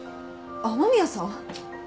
雨宮さん？